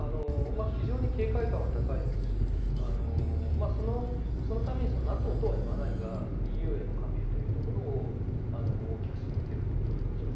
非常に警戒感は高いですしそのためにＮＡＴＯとは言わないがＥＵへの加盟というところを大きく進めているということだと思います。